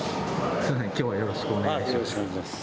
すいません、きょうはよろしくお願いします。